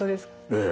ええ。